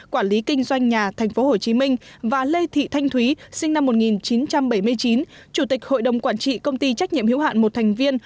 quản lý kinh doanh nhà tp hcm và lê thị thanh thúy sinh năm một nghìn chín trăm bảy mươi chín chủ tịch hội đồng quản trị công ty trách nhiệm hiếu hạn một thành viên